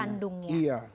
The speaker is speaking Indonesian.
kalau dia sudah berubah